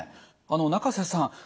あの仲瀬さん